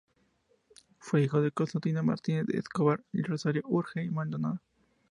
Fue hijo de Constantino Martínez de Escobar y de Rosario Urgell Maldonado.